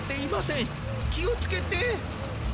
きをつけて。